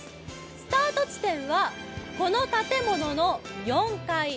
スタート地点はこの建物の４階。